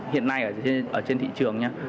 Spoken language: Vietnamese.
hiện nay ở trên thị trường nha